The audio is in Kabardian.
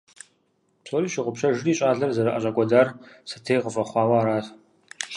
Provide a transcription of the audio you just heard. Псори щыгъупщэжри, щӏалэр зэрыӏэщӏэкӏуэдар сэтей къыфӏэхъуауэ арат.